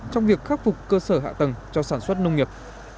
trong việc khắc phục cơ sở hạ tầng cho sản xuất nông nghiệp